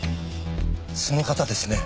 その方ですね